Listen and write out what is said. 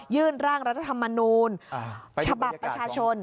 ร่างรัฐธรรมนูลฉบับประชาชน